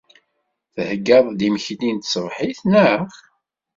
Theyyad-d imekli n tṣebḥit, naɣ?